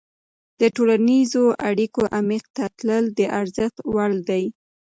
د ټولنیزو اړیکو عمیق ته تلل د ارزښت وړ دي.